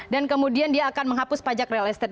dan kemudian dia akan menghapus pajak real estate